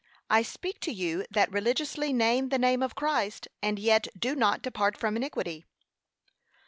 I speak to you that religiously name the name of Christ, and yet do not depart from iniquity.